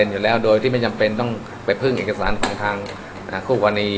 อยู่แล้วโดยที่ไม่จำเป็นต้องไปพึ่งเอกสารของทางคู่กรณี